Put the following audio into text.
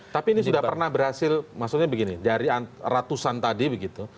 tapi ini sudah pernah berhasil maksudnya begini dari ratusan tadi begitu